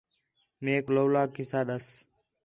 میک لَولہ قصہ ݙَس